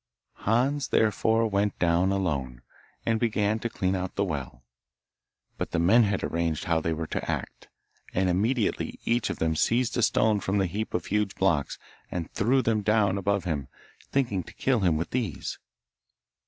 Hans therefore went down alone, and began to clean out the well, but the men had arranged how they were to act, and immediately each of them seized a stone from a heap of huge blocks, and threw them down above him, thinking to kill him with these.